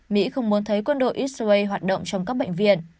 mỹ không muốn thấy quân đội israel hoạt động trong các bệnh viện